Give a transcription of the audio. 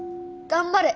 頑張れ！